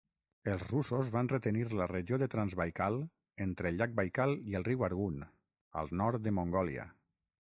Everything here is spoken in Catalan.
Els russos van retenir la regió de Transbaikal entre el llac Baikal i el riu Argun, al nord de Mongòlia.